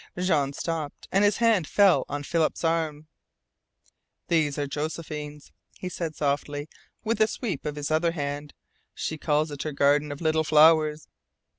Jean stopped, and his hand fell on Philip's arm. "These are Josephine's," he said softly, with a sweep of his other hand. "She calls it her Garden of Little Flowers.